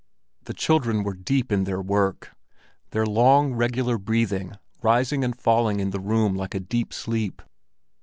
The children were deep in their work, their long, regular breathing rising and falling in the room like a deep sleep.